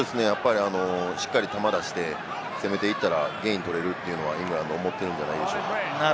しっかり球を出して攻めていったらゲインを取れるというのはイングランド、思ってるんじゃないでしょうか。